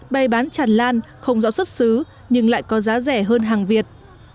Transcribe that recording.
bày bán tràn lan không rõ xuất xứ nhưng lại có giá rẻ hơn hàng việt